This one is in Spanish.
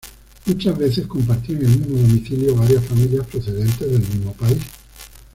Muchas veces compartían el mismo domicilio varias familias procedentes del mismo país.